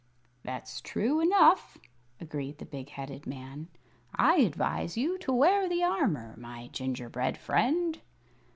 "That's true enough," agreed the big headed man. "I advise you to wear the armor, my gingerbread friend."